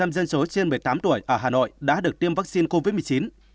một mươi dân số trên một mươi tám tuổi ở hà nội đã được tiêm vaccine covid một mươi chín